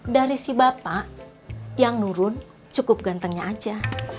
dari si bapak yang nurun cukup gantengnya aja